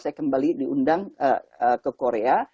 saya kembali diundang ke korea